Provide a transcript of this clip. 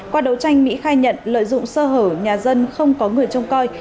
qua đấu tranh mỹ khai nhận lợi dụng sơ hở nhà dân không có người trông coi